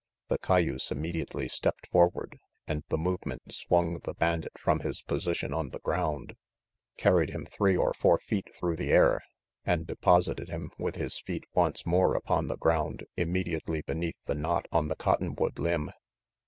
The cayuse immediately stepped forward and the movement swung the bandit from his position on the ground, carried him three or four feet through the air and deposited him with his feet once more upon the ground imme diately beneath the knot on the cotton wood limb.